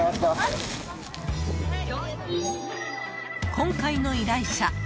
今回の依頼者